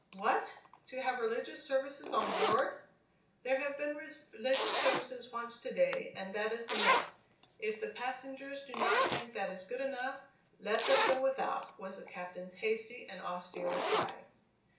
"What! to have religious services on board?" "There have been religious services once to day, and that is enough. If the passengers do not think that is good enough, let them go without," was the captain's hasty and austere reply.